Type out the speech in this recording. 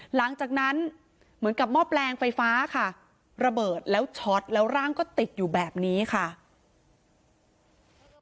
หลังจากนั้นเหมือนกับหม้อแปลงไฟฟ้าค่ะระเบิดแล้วช็อตแล้วร่างก็ติดอยู่แบบนี้ค่ะ